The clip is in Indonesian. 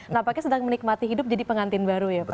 nampaknya sedang menikmati hidup jadi pengantin baru ya pak